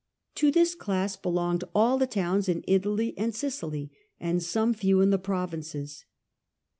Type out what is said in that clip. To this class belonged all the towns in Italy and Sicily and some few in the provinces.